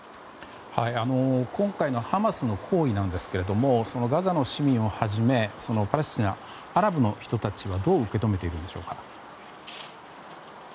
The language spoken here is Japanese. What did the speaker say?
今回のハマスの行為なんですけれどもガザの市民をはじめパレスチナアラブの人たちはどう受け止めているのでしょうか。